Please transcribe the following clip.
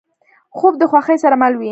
خوب د خوښۍ سره مل وي